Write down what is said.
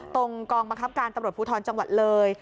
กองบังคับการตำรวจภูทรจังหวัดเลย